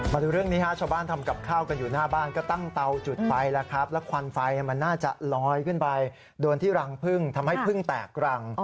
มาดูเรื่องนี้ฮะชาวบ้านทำกับข้าวกันอยู่หน้าบ้านก็ตั้งเตาจุดไฟแล้วครับแล้วควันไฟมันน่าจะลอยขึ้นไปโดนที่รังพึ่งทำให้พึ่งแตกรัง